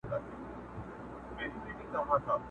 د ماشومتوب او د بنګړیو وطن٫